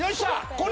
これ。